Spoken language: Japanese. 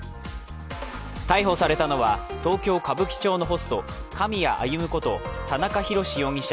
逮捕されたのは東京・歌舞伎町のホスト狼谷歩こと田中裕志容疑者